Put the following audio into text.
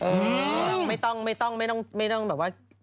เหมือนกันอีกอยู่ตรงนั้นไม่ต้องไม่ได้โดยแบบว่า